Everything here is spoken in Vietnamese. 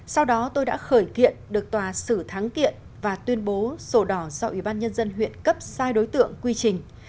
sau đó tôi đã khởi kiện được tòa xử thắng kiện và tuyên bố sổ đỏ do ủy ban nhân dân huyện cấp sai đối tượng quy trình